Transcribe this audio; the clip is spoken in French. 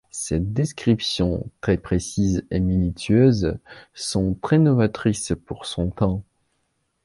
Ces descriptions, très précises et minutieuses, sont très novatrices pour son temps.